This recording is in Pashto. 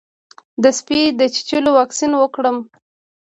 د سپي د چیچلو واکسین وکړم؟